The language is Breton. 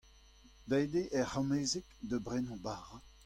Deuet eo hec'h amezeg da brenañ bara.